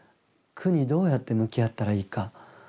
苦にどうやって向き合ったらいいか。